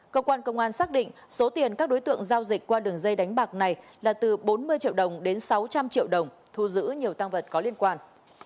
cơ quan công an xác định số tiền các đối tượng giao dịch qua đường dây đánh bạc này là từ bốn mươi triệu đồng đến sáu trăm linh triệu đồng thu giữ nhiều tăng vật có liên quan